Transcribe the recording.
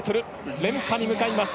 連覇に向かいます。